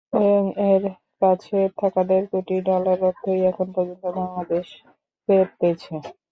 ওয়ংয়ের কাছে থাকা দেড় কোটি ডলার অর্থই এখন পর্যন্ত বাংলাদেশ ফেরত পেয়েছে।